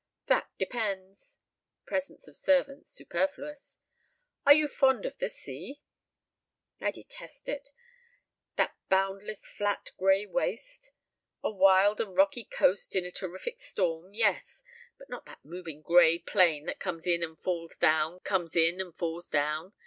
"That depends." (Presence of servants superfluous!) "Are you fond of the sea?" "I detest it that boundless flat gray waste. A wild and rocky coast in a terrific storm, yes but not that moving gray plain that comes in and falls down, comes in and falls down.